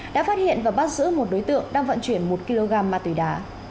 đã phát hiện và bắt giữ một đối tượng đang vận chuyển một kg ma túy đá